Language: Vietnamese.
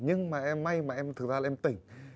nhưng mà em may mà em thực ra là em tỉnh